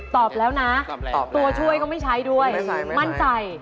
ตอบแล้วนะตัวช่วยก็ไม่ใช้ด้วยมั่นใจ